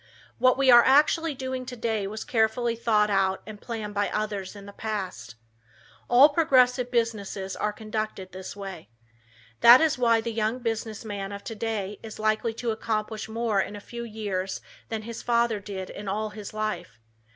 What we are actually doing today was carefully thought out and planned by others in the past. All progressive businesses are conducted this way. That is why the young business man of today is likely to accomplish more in a few years than his father did in all his life.